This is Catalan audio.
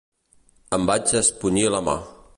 Em vaig espunyir la mà.